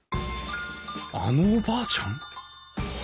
あのおばあちゃん！？